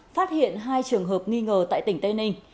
phát hiện hai trường hợp nghi ngờ tại tỉnh tây ninh